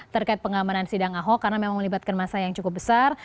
terkait pengamanan sidang ahok karena memang melibatkan masa yang cukup besar